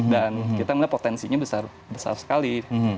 dan kita melihat potensinya besar sekali